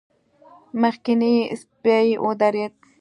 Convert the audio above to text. مخکينی سپی ودرېد.